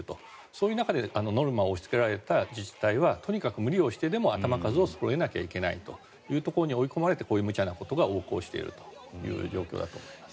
そういう中でノルマを押しつけられた自治体はとにかく無理をしてでも頭数をそろえなきゃいけないというところまで追い込まれてこういうむちゃなことが横行している状況だと思います。